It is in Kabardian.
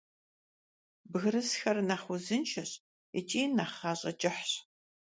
Бгырысхэр нэхъ узыншэщ икӏи нэхъ гъащӀэ кӀыхьщ.